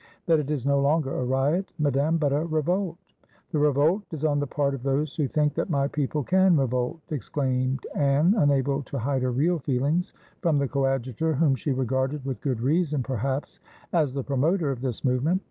"That it is no longer a riot, Madame, but a revolt." "The revolt is on the part of those who think that my people can revolt!" exclaimed Anne, unable to hide her real feelings from the Coadjutor, whom she regarded, with good reason, perhaps, as the promoter of this move ment.